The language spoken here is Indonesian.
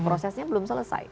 prosesnya belum selesai